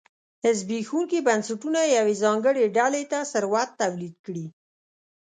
زبېښونکي بنسټونه یوې ځانګړې ډلې ته ثروت تولید کړي.